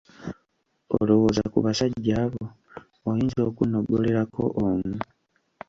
Olowooza ku basajja abo oyinza okunnogolerako omu?